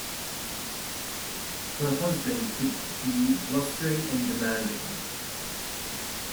Her husband could be blustery and demanding.